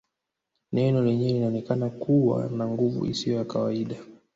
Neno lenyewe linaonekana kuwa na nguvu isiyo ya kawaida